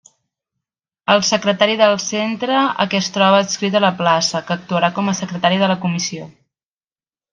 El secretari del centre a què es trobe adscrita la plaça, que actuarà com a secretari de la comissió.